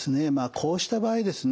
こうした場合ですね